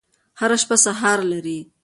هره شپه سهار لري.